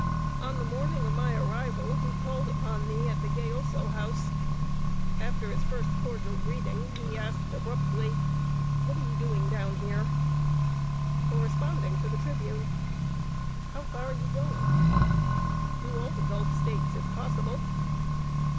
On the morning of my arrival, he called upon me at the Gayoso House. After his first cordial greeting, he asked, abruptly: [Sidenote: A HOT CLIMATE FOR ABOLITIONISTS.] "What are you doing down here?" "Corresponding for The Tribune." "How far are you going?" "Through all the Gulf States, if possible."